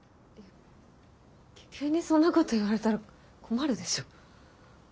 急にそんなこと言われたら困るでしょ。